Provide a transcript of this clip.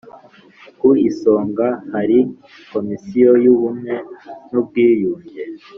Ku isonga hari komisiyo y’ubumwe n’ubwiyunge